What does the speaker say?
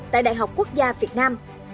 tại đại học quốc gia việt nam